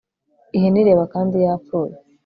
ihene ireba kandi yapfuye